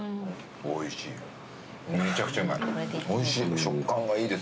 おいしい。